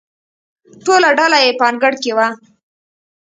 ټوله ډله په انګړ کې وه.